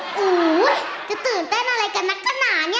โอ้โหจะตื่นเต้นอะไรกับนักกะหนา